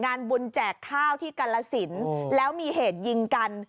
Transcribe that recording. งานบุญแจกข้าวที่กรสินแล้วมีเหตุยิงกัน